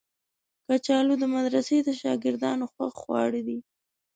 کچالو د مدرسې د شاګردانو خوښ خواړه دي